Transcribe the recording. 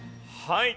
はい。